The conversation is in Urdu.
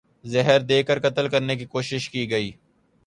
زہر دے کر قتل کرنے کی کوشش کی گئی